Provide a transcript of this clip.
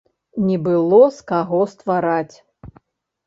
Не было з каго ствараць!